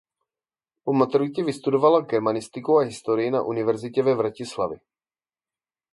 Po maturitě vystudovala germanistiku a historii na univerzitě ve Vratislavi.